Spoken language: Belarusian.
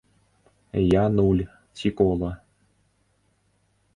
Я нуль, ці кола.